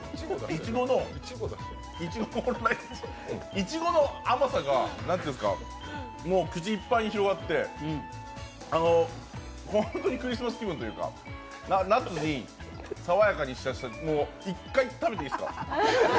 いちごの甘さが、口いっぱいに広がって、本当にクリスマス気分というか、夏に爽やかに一回、食べていいっすか？